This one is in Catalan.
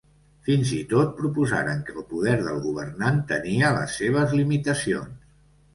Fins i tot proposaren que el poder del governant tenia les seves limitacions.